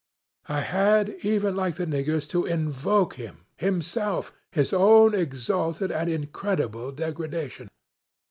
I had, even like the niggers, to invoke him himself his own exalted and incredible degradation.